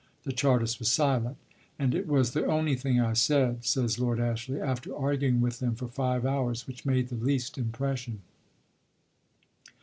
The Chartist was silent. "And it was the only thing I said," says Lord Ashley, "after arguing with them for five hours which made the least impression."